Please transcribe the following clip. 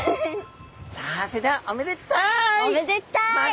さあそれではおめでタイ！